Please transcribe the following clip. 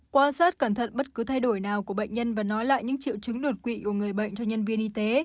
quan sát cẩn thận bất cứ thay đổi nào của bệnh nhân và nói lại những triệu chứng đột quỵ của người bệnh cho nhân viên y tế